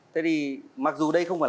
thế thì mặc dù đây không phải